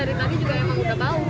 terus dari tadi juga emang udah bau